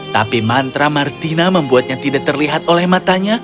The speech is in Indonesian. tapi mantra martina membuatnya tidak terlihat oleh matanya